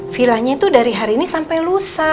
villanya tuh dari hari ini sampe lusa